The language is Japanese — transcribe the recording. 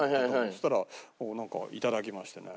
そしたらなんか頂きましたね。